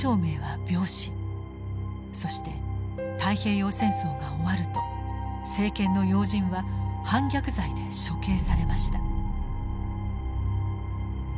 そして太平洋戦争が終わると政権の要人は反逆罪で処刑されました。